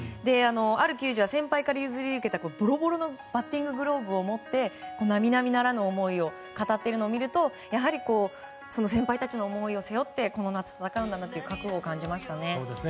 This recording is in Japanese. ある球児は先輩から譲り受けたバッティンググローブを持って並々ならぬ思いを語っているのを見るとやはり先輩たちの思いを背負ってこの夏戦うんだろうなと覚悟を感じましたね。